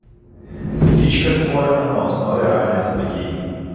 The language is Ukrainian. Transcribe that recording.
Стрічка створена на основі реальних подій.